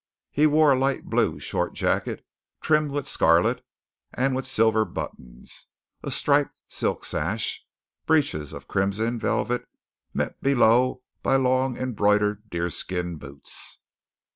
He wore a light blue short jacket trimmed with scarlet and with silver buttons, a striped silk sash, breeches of crimson velvet met below by long embroidered deerskin boots.